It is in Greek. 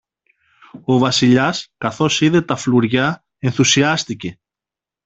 Ο Βασιλιάς, καθώς είδε τα φλουριά, ενθουσιάστηκε.